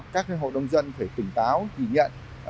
các hội đồng dân phải tỉnh táo chỉ nhận